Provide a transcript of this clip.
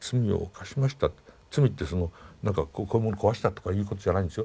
罪ってそのなんかこういうもの壊したとかいうことじゃないんですよ。